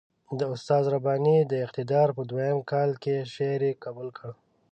د استاد رباني د اقتدار په دویم کال کې شعر یې قبول کړ.